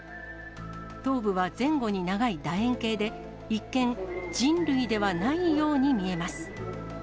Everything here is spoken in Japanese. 頭部は前後に長いだ円形で、一見、人類ではないように見えます。